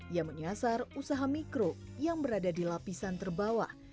ia menyasar usaha mikro yang berada di lapisan terbawah